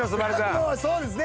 もうそうですね。